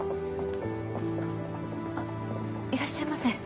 あっいらっしゃいませ。